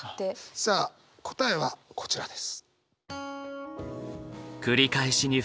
さあ答えはこちらです。